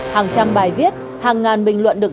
hàng trăm bài viết hàng ngàn bình luận đựng